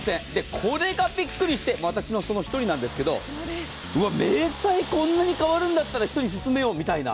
これがびっくりして私もその１人なんですが明細、こんなに変わるんだったら人に勧めようみたいな。